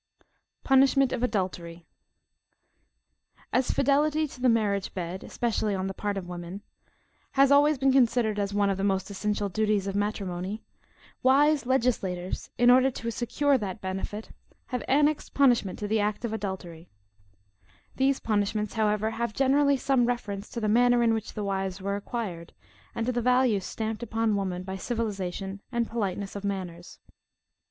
PUNISHMENT OF ADULTERY. As fidelity to the marriage bed, especially on the part of woman, has always been considered as one of the most essential duties of matrimony, wise legislators, in order to secure that benefit have annexed punishment to the act of adultery; these punishments, however, have generally some reference to the manner in which wives were acquired, and to the value stamped upon woman by civilization and politeness of manners.